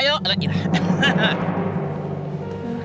yaudah ini dibawain